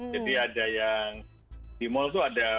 jadi ada yang di mall itu ada